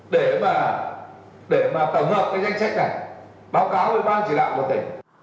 để mà để mà tổng hợp với danh sách này báo cáo với ban chỉ đạo có thể